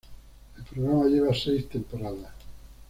El programa lleva seis temporadas.